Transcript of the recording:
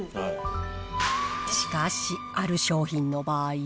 しかし、ある商品の場合。